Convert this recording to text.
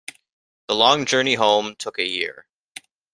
The long journey home took a year.